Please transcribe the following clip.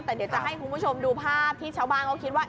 แต่เดี๋ยวจะให้คุณผู้ชมดูภาพที่ชาวบ้านเขาคิดว่า